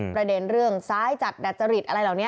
ประเด็นเรื่องซ้ายจัดดัจจริตอะไรเหล่านี้